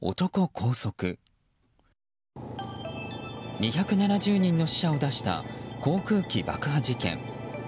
２７０人の死者を出した航空機爆破事件。